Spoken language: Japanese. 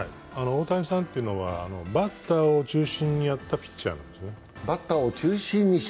大谷さんというのは、バッターを中心にやったピッチャーなんですね。